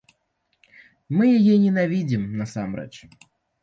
Мы яе ненавідзім насамрэч.